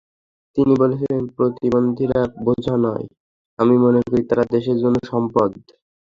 তিনি বলেছেন, প্রতিবন্ধীরা বোঝা নয়, আমি মনে করি, তারা দেশের জন্য সম্পদ।